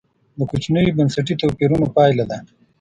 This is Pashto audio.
د کوچنیو بنسټي توپیرونو پایله ده.